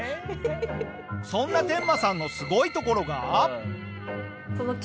そんなテンマさんのすごいところが。